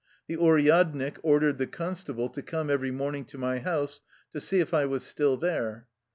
The uryadnik ordered the constable to come every morning to my house to see if I was still there.